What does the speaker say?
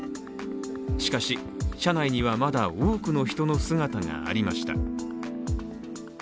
しかし、車内にはまだ多くの人の姿がありました。